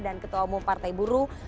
dan ketua umum partai buruh